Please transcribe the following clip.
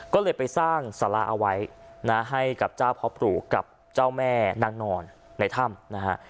ก็เลยไปสร้างสาราเอาไว้นะให้กับเจ้าพ่อปลูกกับเจ้าแม่นางนอนในถ้ำนะฮะ